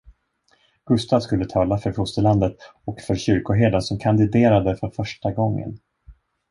Gustav skulle tala för fosterlandet och för kyrkoherden som kandiderade för första gången.